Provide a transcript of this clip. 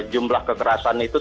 jumlah kekerasan itu